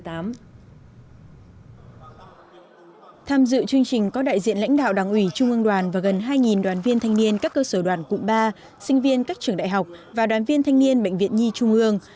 tham dự chương trình có đại diện lãnh đạo đảng ủy trung ương đoàn và gần hai đoàn viên thanh niên các cơ sở đoàn cụm ba sinh viên các trường đại học và đoàn viên thanh niên bệnh viện nhi trung ương